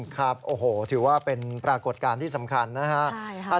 ค่ะถือว่าเป็นปรากฏการณ์ที่สำคัญนะครับ